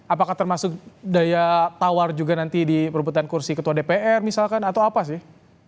apakah termasuk daya tawar juga nanti di perebutan kursi ketua dpr misalkan atau apa sih